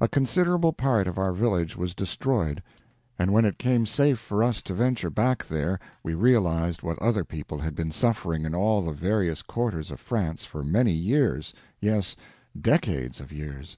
A considerable part of our village was destroyed, and when it became safe for us to venture back there we realized what other people had been suffering in all the various quarters of France for many years—yes, decades of years.